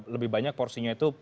lebih banyak porsinya itu